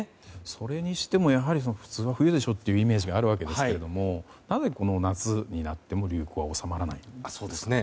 それにしても普通は冬でしょっていうイメージがあるわけですがなぜ、この夏になっても流行は収まらないのか。